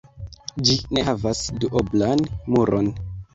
Ĝi ne havas duoblan muron.